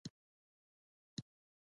زما خونه کوچنۍ ده